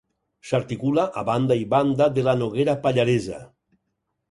S'articula a banda i banda de la Noguera Pallaresa.